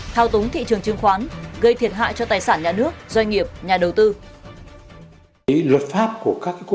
thao túng thị trường chứng khoán gây thiệt hại cho tài sản nhà nước doanh nghiệp nhà đầu tư